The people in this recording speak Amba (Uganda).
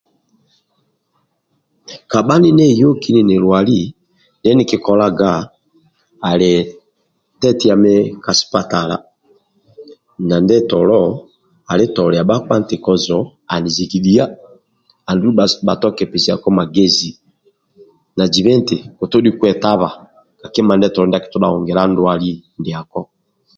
Kabha nineyoki nini lyali ndie nikikolaga ali tetiami ka sipatala na ndietolo adi tolia bhakpa nti kozo anizigidia adu bha toke pesiako magezi na ziba nti kotodhi kyetaba kakima ndietolo daki todha yogela ko ndwali